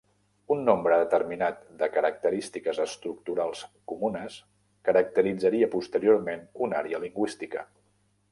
Un nombre determinat de característiques estructurals comunes caracteritzaria posteriorment una àrea lingüística.